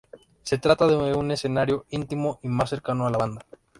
Se trata de un escenario íntimo y más cercano a la banda.